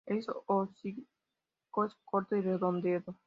El hocico es corto y redondeado.